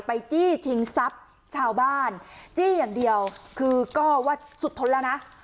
จี้ชิงทรัพย์ชาวบ้านจี้อย่างเดียวคือก็ว่าสุดทนแล้วนะ